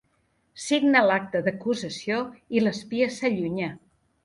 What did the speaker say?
Signa l'acta d'acusació i l'espia s'allunya.